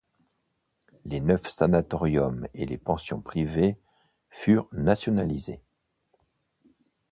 Les neuf sanatoriums et les pensions privées furent nationalisés.